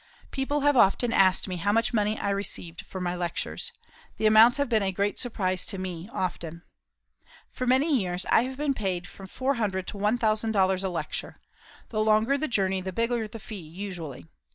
People have often asked me how much money I received for my lectures. The amounts have been a great surprise to me, often. For many years I have been paid from $400 to $1,000 a lecture. The longer the journey the bigger the fee usually.